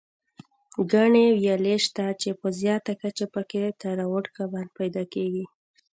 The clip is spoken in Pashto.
ګڼې ویالې شته، چې په زیاته کچه پکې تراوټ کبان پیدا کېږي.